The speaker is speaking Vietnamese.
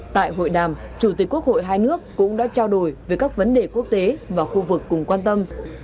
tại hội đàm chủ tịch quốc hội hai nước cũng đã trao đổi về các vấn đề quốc tế và khu vực cùng quan tâm